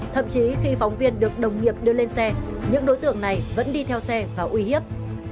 thậm chí khi phóng viên được đồng nghiệp đưa lên xe những đối tượng này vẫn đi theo xe và uy hiếp